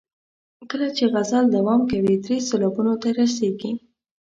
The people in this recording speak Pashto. کله چې غزل دوام کوي درې سېلابونو ته رسیږي.